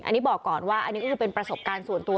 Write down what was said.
อันนี้บอกก่อนว่าอันนี้ก็คือเป็นประสบการณ์ส่วนตัว